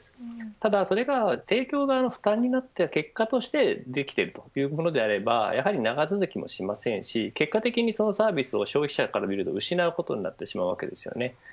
ただそれが提供側の負担になった結果としてできているというものであればやはり長続きはしませんし結果的にそのサービスを消費者が失うことになってしまうかもしれません。